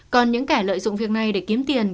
còn những kẻ lợi dụng việc này để kiếm tiền